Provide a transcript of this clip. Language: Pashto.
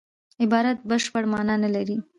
عبارت بشپړه مانا نه لري.